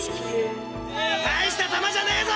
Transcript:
大した球じゃねえぞ！